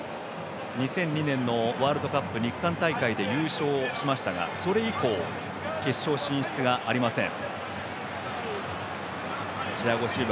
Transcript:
２００２年のワールドカップ日韓大会で優勝しましたがそれ以降、決勝進出がありません。